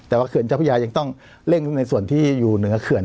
แต่ว่าเขื่อนเจ้าพระยายังต้องเร่งในส่วนที่อยู่เหนือเขื่อน